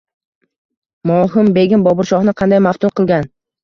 Mohim begim Boburshohni qanday maftun qilgan?